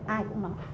ai cũng nói